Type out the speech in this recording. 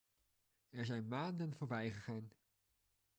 Er zijn maanden voorbij gegaan.